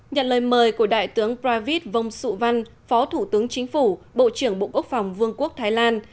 nhận lời mời của đại tướng pravit vong sụ văn phó thủ tướng chính phủ bộ trưởng bộ quốc phòng vương quốc thái lan